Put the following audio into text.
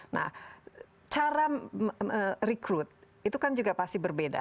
nah cara rekrut itu kan juga pasti berbeda